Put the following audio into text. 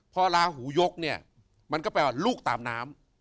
พอลาหูยกเนี่ยมันก็แปลว่าลูกตามน้ำ